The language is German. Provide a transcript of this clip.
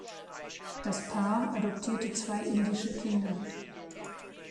Das Paar adoptierte zwei indische Kinder.